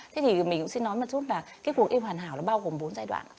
thế thì mình cũng xin nói một chút là cái cuộc im hoàn hảo là bao gồm bốn giai đoạn